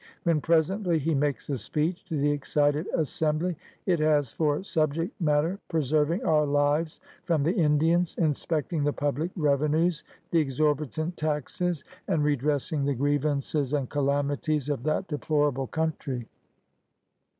When presently he makes a speech to the excited Assembly, it has for subject matter "preserving our lives from the Indians, inspecting the public revenues, the exorbitant taxes, and redressing the grievances and calamities of that deplorable coun NATHANIEL BACON 17S try.